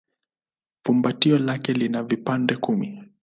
Fumbatio lake lina vipande kumi.